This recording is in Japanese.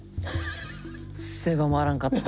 狭まらんかった。